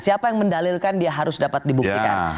siapa yang mendalilkan dia harus dapat dibuktikan